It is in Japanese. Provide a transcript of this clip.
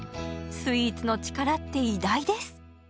スイーツの力って偉大です！